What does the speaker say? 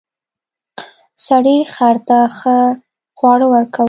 سړي خر ته ښه خواړه ورکول.